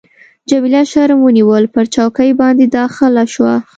جميله شرم ونیول، پر چوکۍ باندي داخله شوه.